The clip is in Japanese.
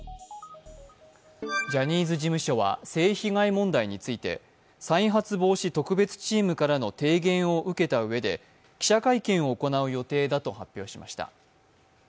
ジャニーズ事務所は性被害問題について、再発防止特別チームからの提言を受けたうえで記者会見を行う予定だと発表しました。